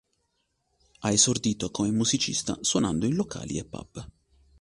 Ha esordito come musicista suonando in locali e pub.